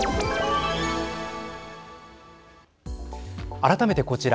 改めてこちら。